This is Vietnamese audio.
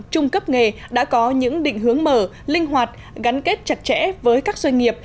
trung cấp nghề đã có những định hướng mở linh hoạt gắn kết chặt chẽ với các doanh nghiệp